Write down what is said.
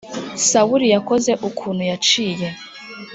sawuli yakoze ukuntu yaciye.